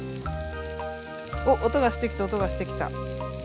お音がしてきた音がしてきた。